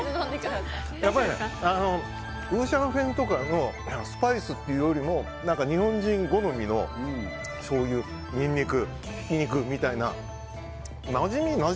ウーシャンフェンとかのスパイスというより日本人好みの、しょうゆそういうニンニク、ひき肉みたいな。